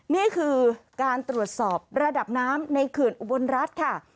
นี่คือการตรวจสอบระดับน้ำในเขื่อนอุบลรัฐค่ะ